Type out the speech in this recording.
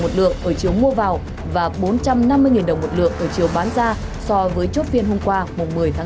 giá vàng ở chiều mua vào và bốn trăm năm mươi đồng một lượng ở chiều bán ra so với chốt phiên hôm qua một mươi tháng hai